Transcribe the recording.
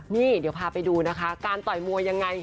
นี่เดี๋ยวพาไปดูนะคะการต่อยมวยยังไง